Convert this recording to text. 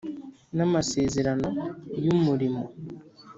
N amasezerano y umurimo